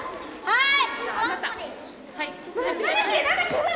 はい！